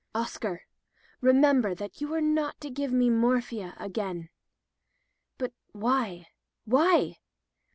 " Oscar, remember that you are not to give me morphia again." "But why— why?"